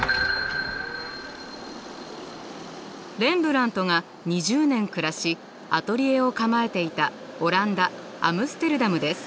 レンブラントが２０年暮らしアトリエを構えていたオランダ・アムステルダムです。